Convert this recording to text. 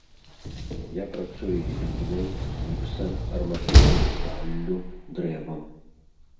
Я працую з глінай, гіпсам, арматурнай сталлю, дрэвам.